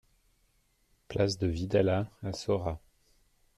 Place de Vidalat à Saurat